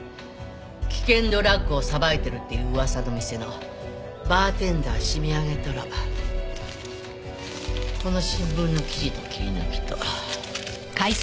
危険ドラッグをさばいてるっていう噂の店のバーテンダー締め上げたらこの新聞の記事の切り抜きと。